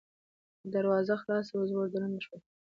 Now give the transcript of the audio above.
خو دروازه خلاصه وه، ور دننه شوم.